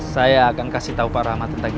saya akan kasih tahu pak rahmat tentang ini